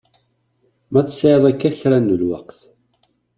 Ma tesɛiḍ akka kra n lweqt.